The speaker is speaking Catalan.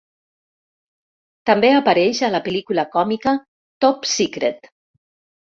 També apareix a la pel·lícula còmica Top Secret!